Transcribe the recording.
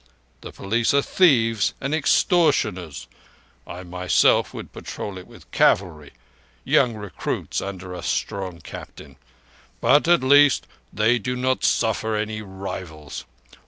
The police are thieves and extortioners (I myself would patrol it with cavalry—young recruits under a strong captain), but at least they do not suffer any rivals.